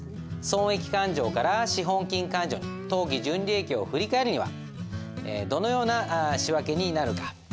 損益勘定から資本金勘定に当期純利益を振り替えるにはどのような仕訳になるか。